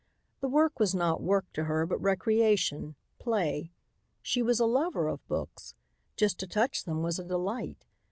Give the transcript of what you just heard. The work was not work to her but recreation, play. She was a lover of books. Just to touch them was a delight.